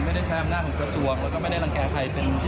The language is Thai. ไม่ได้ใช้อำนาจของกระทรวง